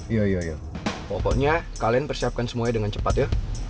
iya iya pokoknya kalian persiapkan semuanya dengan cepat ya